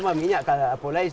jawi yang dikebiri lebih lemak